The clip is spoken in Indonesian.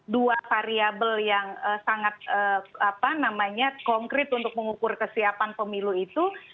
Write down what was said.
dua variable yang sangat konkret untuk mengukur kesiapan pemilu itu